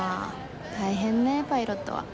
大変ねパイロットは。